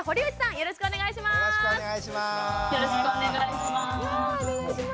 よろしくお願いします。